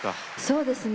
そうですね。